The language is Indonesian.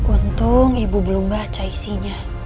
untung ibu belum baca isinya